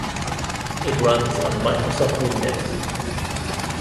It runs on Microsoft Windows.